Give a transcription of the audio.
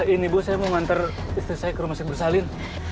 ini bu saya mau nganter istri saya ke rumah si bursalin